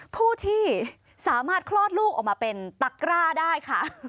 ผู้ที่สามารถคลอดลูกออกมาเป็นตะกร้าได้ค่ะ